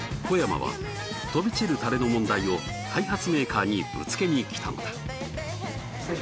小山は飛び散るタレの問題を開発メーカーにぶつけに来たのだ。